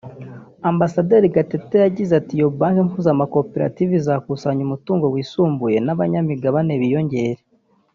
Ambasaderi Gatete yagize ati ”Iyo Banki mpuzamakorative izakusanya umutungo wisumbuye n’abanyamigabane biyongere